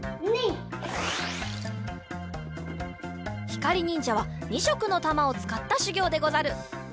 ひかりにんじゃは２しょくのたまをつかったしゅぎょうでござる。